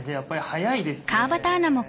速いですね。